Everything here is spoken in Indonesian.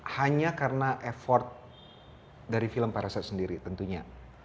hanya karena effort dari film paracet sendiri tentunya